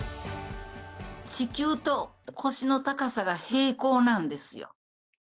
地球と腰の高さが並行なんですよ。